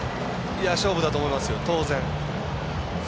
勝負だと思いますよ、当然。